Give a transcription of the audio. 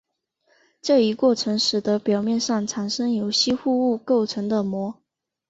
这一过程使得表面上产生由吸附物构成的膜。